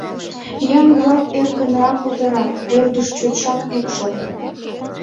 Еҥ-влак эркынрак кутырат, ӧрдыш чотшак ок шокто.